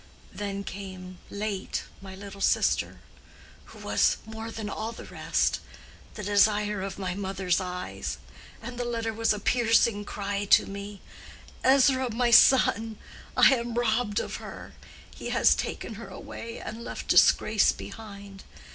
Then came, late, my little sister, who was, more than all the rest, the desire of my mother's eyes; and the letter was a piercing cry to me—'Ezra, my son, I am robbed of her. He has taken her away and left disgrace behind.